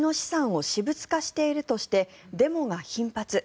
２０１８年、国王が国の資産を私物化しているとしてデモが頻発。